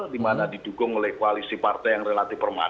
di mana didukung oleh koalisi partai yang relatif permanen